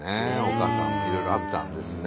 丘さんもいろいろあったんですね。